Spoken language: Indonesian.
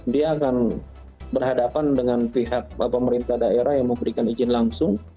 dia akan berhadapan dengan pihak pemerintah daerah yang memberikan izin langsung